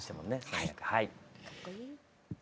はい。